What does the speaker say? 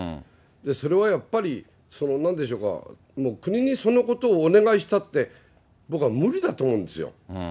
それはやっぱり、なんでしょうか、国にそのことをお願いしたって、僕は無理だと思うんですよ。